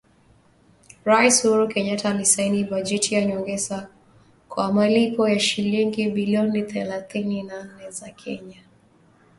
Rais Uhuru Kenyatta alisaini bajeti ya nyongeza kwa malipo ya shilingi bilioni thelathini na nne za Kenya kwa Mfuko wa Kodi ya Maendeleo ya Petroli.